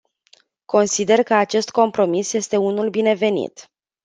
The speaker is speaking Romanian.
Consider că acest compromis este unul binevenit.